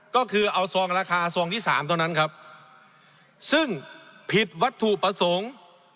ก็คือเอาซองราคาซองที่สามเท่านั้นครับซึ่งผิดวัตถุประสงค์